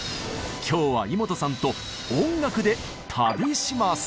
今日はイモトさんと音楽で旅します。